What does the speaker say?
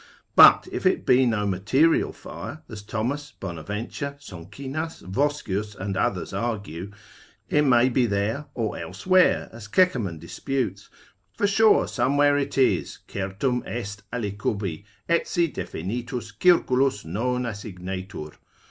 But if it be no material fire (as Sco. Thomas, Bonaventure, Soncinas, Voscius, and others argue) it may be there or elsewhere, as Keckerman disputes System. Theol. for sure somewhere it is, certum est alicubi, etsi definitus circulus non assignetur.